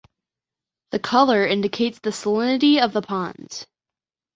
The color indicates the salinity of the ponds.